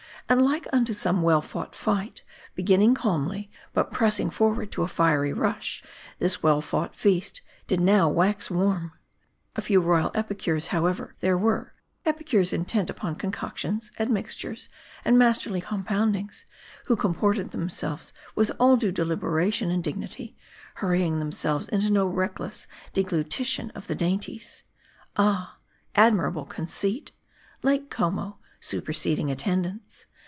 And like unto some well fought fight, beginning calmly, but pressing forward to a fiery rush, this well fought feast did now wax warm. A few royal epicures, however, there were : epicures intent upon concoctions, admixtures, and masterly compoundings ; who comported themselves with all due deliberation and dig nity ; hurrying themselves into no reckless deglutition of the dainties. Ah! admirable 'conceit, Lake Como : superseding attendants.